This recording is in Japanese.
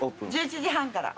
１１時半から。